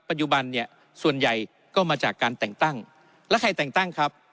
ปัจจุบันเนี่ยส่วนใหญ่ก็มาจากการแต่งตั้งแล้วใครแต่งตั้งครับ